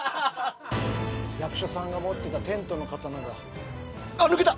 役所さんが持ってたテントの刀だ。あっ抜けた！